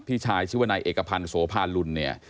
พี่ชายชื่อว่านายเอกพันธ์โสภาลุลเนี่ย